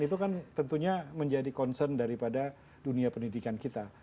itu kan tentunya menjadi concern daripada dunia pendidikan kita